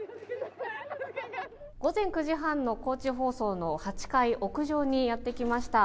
午前９時半の高知放送の８階屋上にやって来ました。